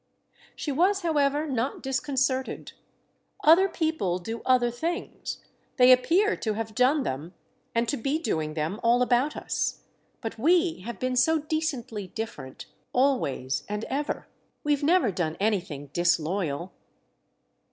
She was, however, not disconcerted. "Other people do other things—they appear to have done them, and to be doing them, all about us. But we have been so decently different—always and ever. We've never done anything disloyal."